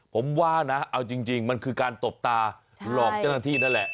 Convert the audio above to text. ผมว่านะเอาจริงมันคือการตบตาหลอกเจ้าหน้าที่นั่นแหละ